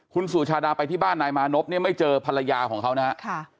คุณสุชาดาไปที่บ้านนายมานพเนี่ยไม่เจอภรรยาของเขานะครับ